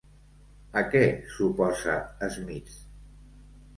A què s'oposa Smith?